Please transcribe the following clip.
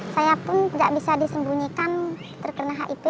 saya pun tidak bisa disembunyikan terkena hiv